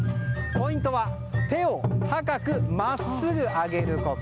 ポイントは手を高く真っすぐ上げること。